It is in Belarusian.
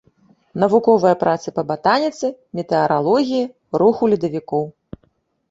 Навуковыя працы па батаніцы, метэаралогіі, руху ледавікоў.